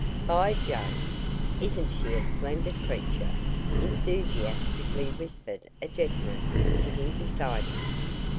"By Jove, isn't she a splendid creature?" enthusiastically whispered a gentleman sitting beside me.